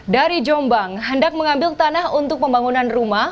dari jombang hendak mengambil tanah untuk pembangunan rumah